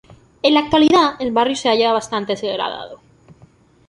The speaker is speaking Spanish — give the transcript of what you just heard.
En la actualidad el barrio se halla bastante degradado.